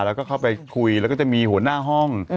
แล้วก็เข้าไปคุยแล้วก็จะมีหัวหน้าห้อง